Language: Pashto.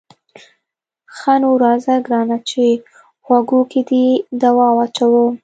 ښه نو راځه ګرانه چې غوږو کې دې دوا واچوم.